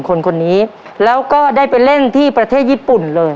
คนนี้แล้วก็ได้ไปเล่นที่ประเทศญี่ปุ่นเลย